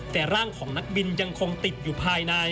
แต่ร่างของนักบินยังคงติดอยู่ภายใน